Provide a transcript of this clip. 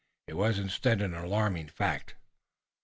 It was instead an alarming fact.